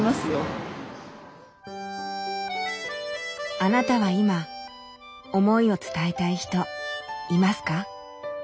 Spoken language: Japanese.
あなたは今思いを伝えたい人いますか？